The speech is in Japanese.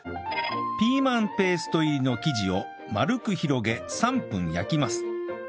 ピーマンペースト入りの生地を丸く広げ３分焼きます